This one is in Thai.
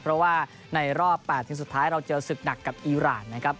เพราะว่าในรอบ๘ทีมสุดท้ายเราเจอศึกหนักกับอีรานนะครับ